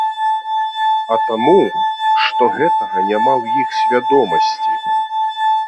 А таму, што гэтага няма ў іх свядомасці.